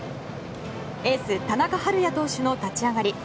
エース田中晴也投手の立ち上がり